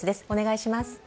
お願いします。